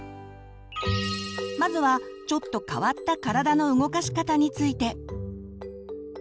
まずはちょっと変わった体の動かし方について。